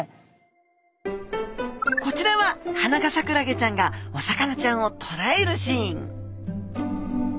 こちらはハナガサクラゲちゃんがお魚ちゃんをとらえるシーン